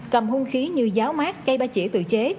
cầm hung khí như giáo mát cây ba chỉ tự chế